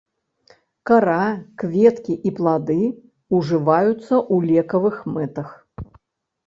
Кара, кветкі і плады ўжываюцца ў лекавых мэтах.